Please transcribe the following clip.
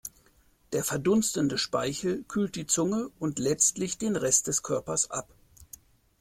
Der verdunstende Speichel kühlt die Zunge und letztlich den Rest des Körpers ab.